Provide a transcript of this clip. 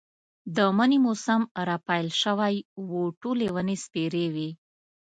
د مني موسم را پيل شوی و، ټولې ونې سپېرې وې.